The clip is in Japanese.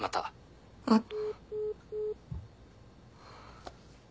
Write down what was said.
あっ。